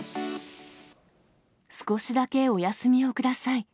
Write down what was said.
少しだけお休みをください。